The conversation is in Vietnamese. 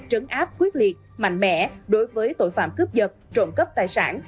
trấn áp quyết liệt mạnh mẽ đối với tội phạm cướp vật trộm cắp tài sản